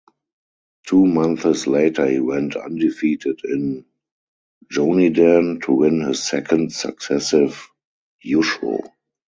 Two months later he went undefeated in "jonidan" to win his second successive "yusho".